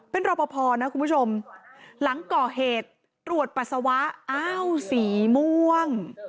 เป็นรอปภนะคุณผู้ชมหลังก่อเหตุตรวจปัสสาวะอ้าวสีม่วง